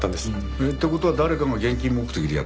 えっ？って事は誰かが現金目的でやったのかな？